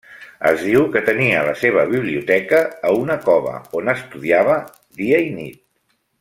Es diu que tenia la seva biblioteca a una cova, on estudiava dia i nit.